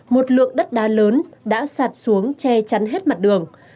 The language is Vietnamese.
một lượng đất đá lớn đã sạt xuống che chắn hết mặt đường